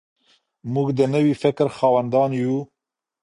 موږ د نوي فکر خاوندان یو.